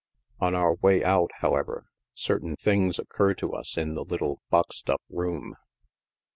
On our way out, however, certain things occur to us in the little boxed up room.